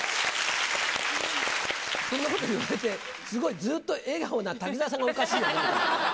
そんなこと言われて、すごいずっと笑顔な滝沢さんがおかしいよね。